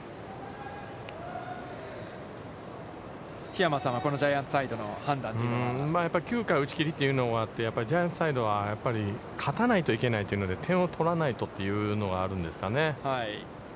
桧山さんは、このジャイアンツサイドの判断というのは。やっぱり９回打ち切りというのがあって、ジャイアンツサイドは、勝たないといけないというので点を取らないとというのがあるんですかね。